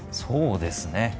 そうですね。